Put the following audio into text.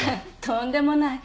とんでもない。